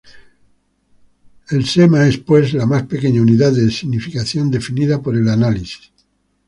El sema es, pues, la más pequeña unidad de significación definida por el análisis.